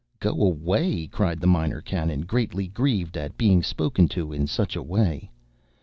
"Go away!" cried the Minor Canon, greatly grieved at being spoken to in such a way.